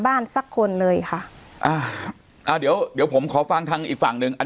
สักคนเลยค่ะอ่าอ่าเดี๋ยวเดี๋ยวผมขอฟังทางอีกฝั่งหนึ่งอัน